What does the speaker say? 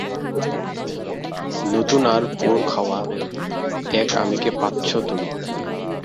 নতুন আর পোড় খাওয়া এক আমিকে পাচ্ছো তুমি।